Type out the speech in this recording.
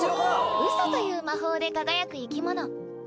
嘘という魔法で輝く生き物。